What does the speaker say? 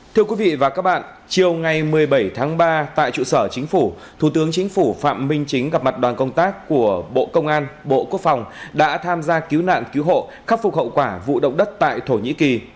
thưa quý vị và các bạn chiều ngày một mươi bảy tháng ba tại trụ sở chính phủ thủ tướng chính phủ phạm minh chính gặp mặt đoàn công tác của bộ công an bộ quốc phòng đã tham gia cứu nạn cứu hộ khắc phục hậu quả vụ động đất tại thổ nhĩ kỳ